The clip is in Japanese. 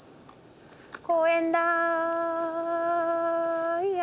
「公園だいや」